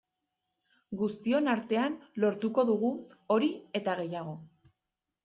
Guztion artean lortuko dugu hori eta gehiago.